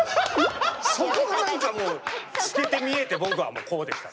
そこが何かもう透けて見えて僕はこうでした。